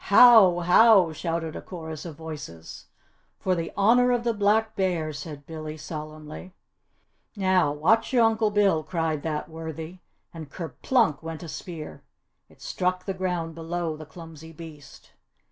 "How! How!" shouted a chorus of voices. "For the Honour of the Black Bears!" said Billy solemnly. "Now, watch your Uncle Bill!" cried that worthy, and kerplunk went a spear! It struck the ground below the clumsy beast.